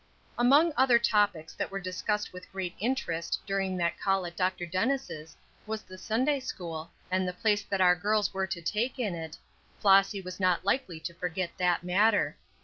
AMONG other topics that were discussed with great interest during that call at Dr. Dennis' was the Sunday school, and the place that our girls were to take in it, Flossy was not likely to forget that matter.